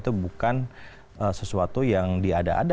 itu bukan sesuatu yang diada ada